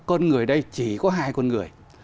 con người đây chỉ có hai con người